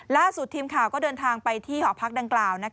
ล่าสุดทีมข่าวก็เดินทางไปที่หอพักดังกล่าว